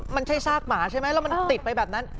มันใช่ซากหมาใช่ไหมแล้วมันติดไปแบบนั้น